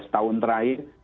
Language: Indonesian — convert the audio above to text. lima belas tahun terakhir